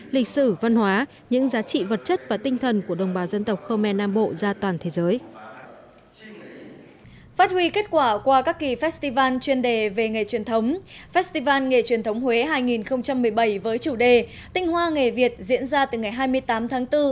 festival nghề truyền thống huế hai nghìn một mươi bảy với chủ đề tinh hoa nghề việt diễn ra từ ngày hai mươi tám tháng bốn